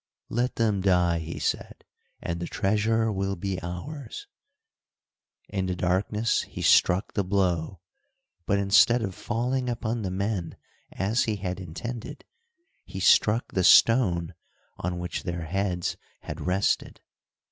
"Let them die," he said, "and the treasure will be ours." In the darkness he struck the blow, but instead of falling upon the men, as he had intended, he struck the stone on which their heads had rested.